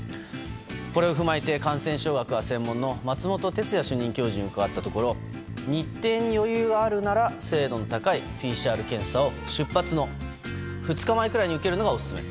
これを踏まえて感染症学が専門の松本哲哉主任教授に伺ったところ日程に余裕があるなら精度の高いＰＣＲ検査を出発の２日前くらいに受けるのがオススメ。